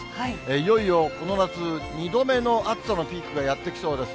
いよいよこの夏、２度目の暑さのピークがやってきそうです。